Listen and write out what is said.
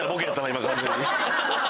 今完全に。